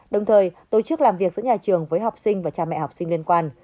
đồng thời tổ chức làm việc giữa nhà trường với học sinh và cha mẹ học sinh liên quan